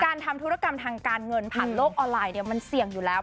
ทำธุรกรรมทางการเงินผ่านโลกออนไลน์มันเสี่ยงอยู่แล้ว